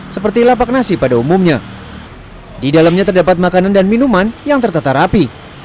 seperti lapak nasi pada umumnya di dalamnya terdapat makanan dan minuman yang tertata rapi